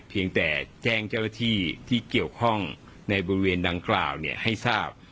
เพียงแต่แจ้งเจ้าหน้าที่ที่เกี่ยวข้องในบริเวณดังกล่าวให้ทราบ